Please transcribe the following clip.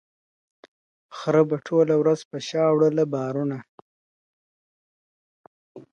خره به ټوله ورځ په شا وړله بارونه .